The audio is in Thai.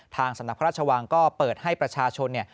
ทางสำนักพระราชวังก็เปิดให้ประชาชน